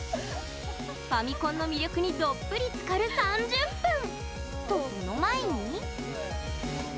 ファミコンの魅力にどっぷりつかる３０分！と、その前に。